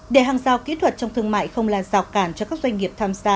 để hàng giao kỹ thuật trong thương mại không là rào cản cho các doanh nghiệp tham gia